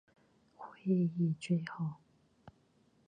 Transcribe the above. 会议最后